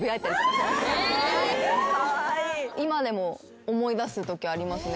今でも思い出すときありますね。